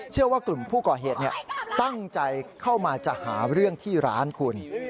เชื่อว่ากลุ่มผู้ก่อเหตุตั้งใจเข้ามาจะหาเรื่องที่ร้านคุณ